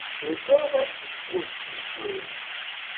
Mi povas gusti ĝin.